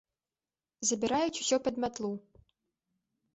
Забіраюць усё пад мятлу.